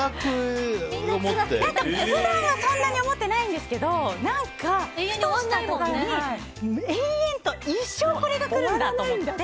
普段はそんなに思ってないんですけどふとした時に、永遠と一生、これが来るんだと思って。